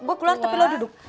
gue keluar tapi lo duduk